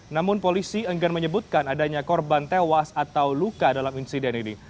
namun polisi enggan menyebutkan adanya korban tewas atau luka dalam insiden ini